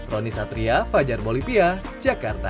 roni satria fajar bolivia jakarta